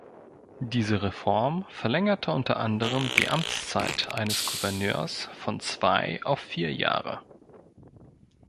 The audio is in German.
Diese Reform verlängerte unter anderem die Amtszeit eines Gouverneurs von zwei auf vier Jahre.